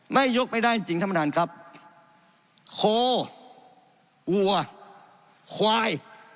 ไม่ยกไม่ได้จริงธรรมฐานครับโควัควาย